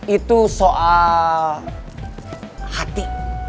itu soal hati